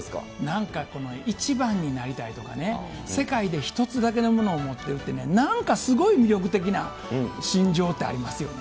なんかこの一番になりたいとかね、世界で一つだけのものを持っているってね、なんかすごい魅力的な心情ってありますよね。